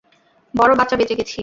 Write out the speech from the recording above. বড় বাঁচা বেঁচে গেছি!